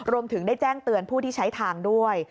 รวมถึงได้แจ้งเตือนผู้ที่ใช้ทางด้วย